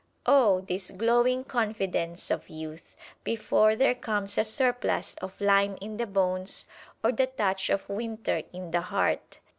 Oh! this glowing confidence of youth before there comes a surplus of lime in the bones, or the touch of winter in the heart!